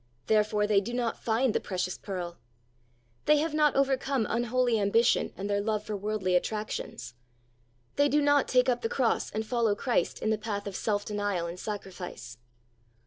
Therefore they do not iind the precious pearl. They have not overcome unholy ambition and their love for worldly attractions. They do not take up the cross and follow Christ in the path of self denial and sacrifice.